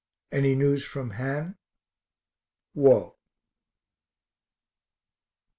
Any news from Han? WALT.